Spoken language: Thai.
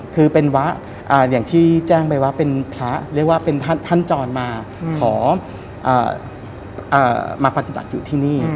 คือเป็นวะอย่างที่แจ้งไปว่าเป็นพระเรียกว่าเป็นท่านจรมาขอมาปฏิบัติอยู่ที่นี่